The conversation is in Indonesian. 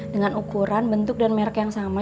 dengan ukuran bentuk dan merek yang sama